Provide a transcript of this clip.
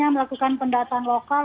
melakukan pendataan lokal